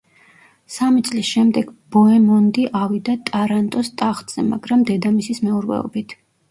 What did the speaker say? სამი წლის შემდეგ ბოემონდი ავიდა ტარანტოს ტახტზე, მაგრამ დედამისის მეურვეობით.